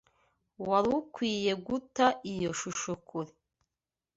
Wari ukwiye guta iyo shusho kure.